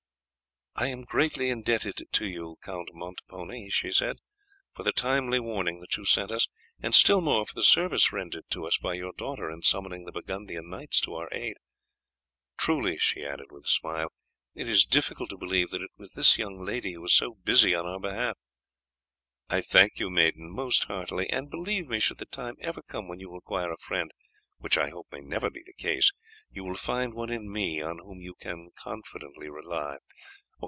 "I am greatly indebted to you, Count Montepone," she said, "for the timely warning that you sent us, and still more for the service rendered to us by your daughter in summoning the Burgundian knights to our aid. Truly," she added with a smile, "it is difficult to believe that it was this young lady who was so busy on our behalf. I thank you, maiden, most heartily. And, believe me, should the time ever come when you require a friend; which I hope may never be the case, you will find one in me on whom you can confidently rely.